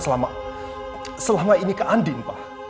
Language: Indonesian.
selama ini ke andin pak